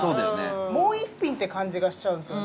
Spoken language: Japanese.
もう１品って感じがしちゃうんですよね。